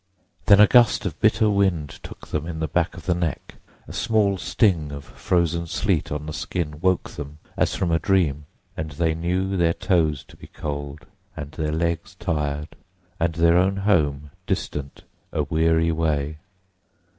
Then a gust of bitter wind took them in the back of the neck, a small sting of frozen sleet on the skin woke them as from a dream, and they knew their toes to be cold and their legs tired, and their own home distant a weary way.